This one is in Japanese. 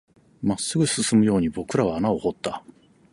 真っ直ぐに進むように僕らは穴を掘った